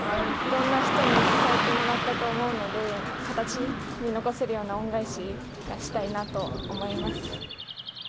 いろんな人に支えてもらったと思うので、形に残せるような恩返しがしたいなと思います。